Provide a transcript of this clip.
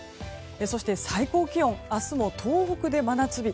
そして最高気温は明日も東北で真夏日。